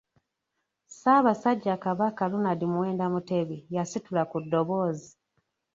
Ssaabasajja Kabaka Ronald Muwenda Mutebi yasitula ku ddoboozi.